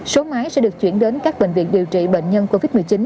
số máy sẽ được chuyển đến các bệnh viện điều trị bệnh nhân covid một mươi chín